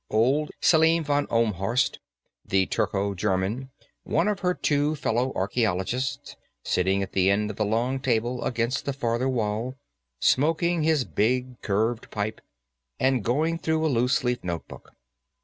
Old Selim von Ohlmhorst, the Turco German, one of her two fellow archaeologists, sitting at the end of the long table against the farther wall, smoking his big curved pipe and going through a looseleaf notebook.